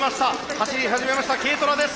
走り始めましたＫトラです。